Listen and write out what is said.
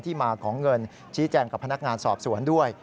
มาของเงินชี้แจงกับพนักงานสอบสวนด้วย